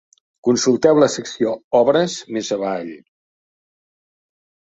Consulteu la secció "Obres" més avall.